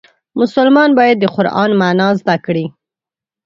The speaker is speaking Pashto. مسلمان باید د قرآن معنا زده کړي.